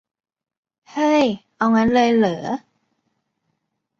เฮ้ย เอางั้นเลยเหรอ !